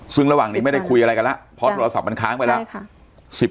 ซึ่งระหว่างนี้ไม่ได้คุยอะไรกันแล้วเพราะโทรศัพท์มันค้างไปแล้ว